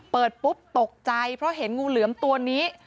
เปิดปุ๊บตกใจเพราะเห็นงูเหลือมตัวนี้